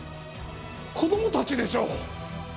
子どもたちでしょう！